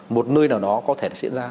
một nơi nào đó có thể diễn ra